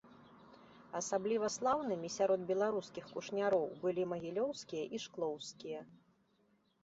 Асабліва слаўнымі сярод беларускіх кушняроў былі магілёўскія і шклоўскія.